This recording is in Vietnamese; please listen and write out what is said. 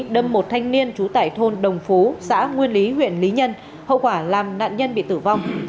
đâm một thanh niên trú tại thôn đồng phú xã nguyên lý huyện lý nhân hậu quả làm nạn nhân bị tử vong